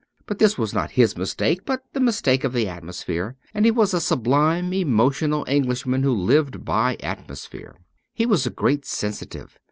But this was not his mistake, but the mistake of the atmosphere, and he was a sublime emotional Englishman, who lived by atmosphere. He was a great sensitive.